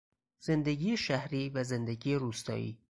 زندگی شهری و زندگی روستایی